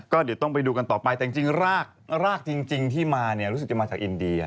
ก็เดี๋ยวต้องไปดูกันต่อไปแต่จริงรากรากจริงที่มาเนี่ยรู้สึกจะมาจากอินเดีย